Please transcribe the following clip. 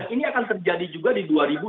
ini akan terjadi juga di dua ribu dua puluh